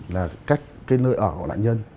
là cách cái nơi ở của lãnh nhân